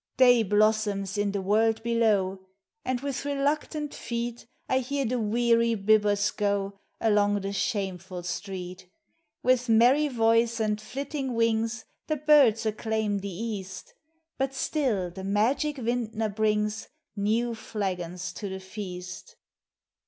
Day blossoms in the world below, And with reluctant feet I hear the weary bibbers go Along the shameful street ; With merry voice and flitting wings The birds acclaim the east, But still the magic vintner brings New flagons to the feast.